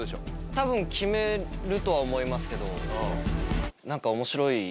多分決めるとは思いますけど。